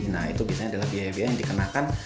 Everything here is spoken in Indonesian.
nah itu biasanya adalah biaya biaya yang dikenakan